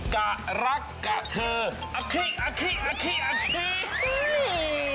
กะรักกะคืออะขี้